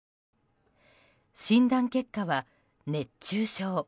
診断結果は熱中症。